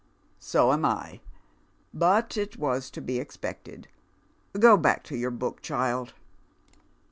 " So am L But it was to be expected. Go back to yoiu" book, child."